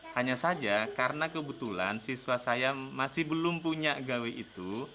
hanya saja karena kebetulan siswa saya masih belum punya gawe itu